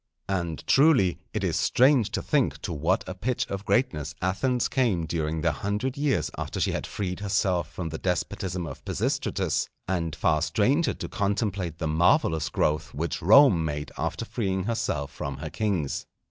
And truly it is strange to think to what a pitch of greatness Athens came during the hundred years after she had freed herself from the despotism of Pisistratus; and far stranger to contemplate the marvellous growth which Rome made after freeing herself from her kings.